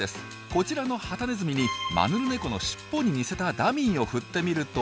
こちらのハタネズミにマヌルネコのしっぽに似せたダミーを振ってみると。